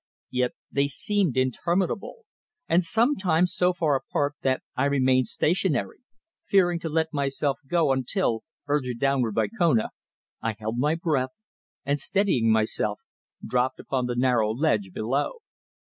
Yet they seemed interminable, and sometimes so far apart that I remained stationary, fearing to let myself go until, urged downward by Kona, I held my breath, and, steadying myself, dropped upon the narrow ledge below.